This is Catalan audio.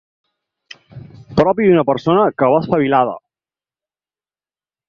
Propi d'una persona que va d'espavilada.